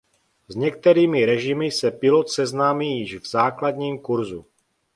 S některými režimy se pilot seznámí již v základním kursu.